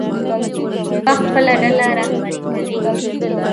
لیوه خپله ډله رهبري کوي.